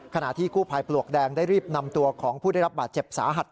ขณะที่กู้ภัยปลวกแดงได้รีบนำตัวของผู้ได้รับบาดเจ็บสาหัส